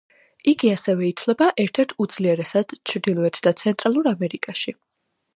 იგი ასევე ითვლება ერთ-ერთ უძლიერესად ჩრდილოეთ და ცენტრალურ ამერიკაში.